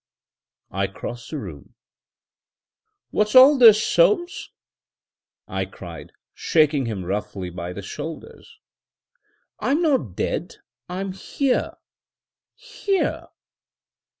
I crossed the room. "What's all this, Soames!" I cried, shaking him roughly by the shoulders. "I'm not dead. I'm here — here!"